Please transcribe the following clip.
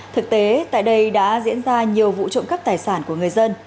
thực tế tại đây đã diễn ra nhiều vụ trộm cắp tài sản của người dân